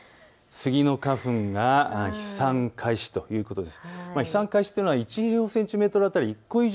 スギの花粉が飛散開始ということです。